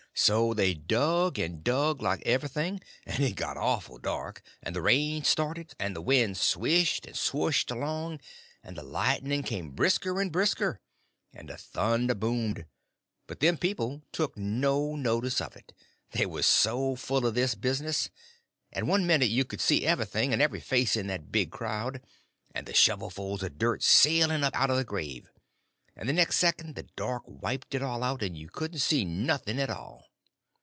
So they dug and dug like everything; and it got awful dark, and the rain started, and the wind swished and swushed along, and the lightning come brisker and brisker, and the thunder boomed; but them people never took no notice of it, they was so full of this business; and one minute you could see everything and every face in that big crowd, and the shovelfuls of dirt sailing up out of the grave, and the next second the dark wiped it all out, and you couldn't see nothing at all.